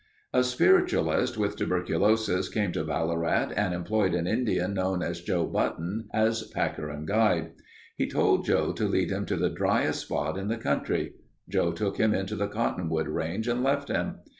A spiritualist with tuberculosis came to Ballarat and employed an Indian known as Joe Button as packer and guide. He told Joe to lead him to the driest spot in the country. Joe took him into the Cottonwood Range and left him.